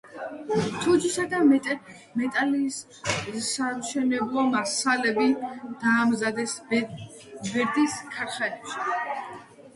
თუჯისა და მეტალის სამშენებლო მასალები დაამზადეს ბერდის ქარხანაში.